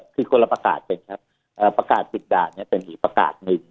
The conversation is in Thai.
คือคนละประกาศกันครับประกาศปิดด่านเนี่ยเป็นอีกประกาศหนึ่ง